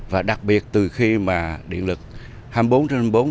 và đặc biệt từ khi mà điện lực hai mươi bốn trên hai mươi bốn